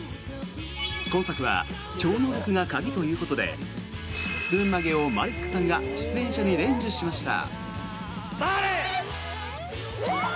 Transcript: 今作は超能力が鍵ということでスプーン曲げをマリックさんが出演者に伝授しました。